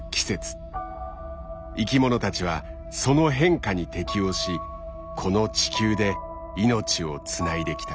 生きものたちはその変化に適応しこの地球で命をつないできた。